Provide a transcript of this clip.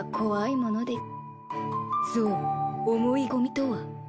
そう思い込みとは。